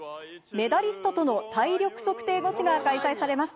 メダリストとの体力測定ゴチが開催されます。